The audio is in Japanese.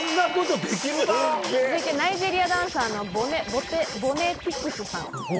続いて、ナイジェリアのダンサーボネティクスさん。